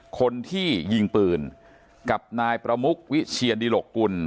คนที่ยิงปืนกับนายประมุกวิเชียดิหลกกุล